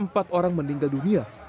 sebagian besar yang meninggal di rumah sakit